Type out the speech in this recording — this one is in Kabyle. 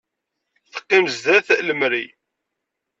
Teqqim sdat lemri.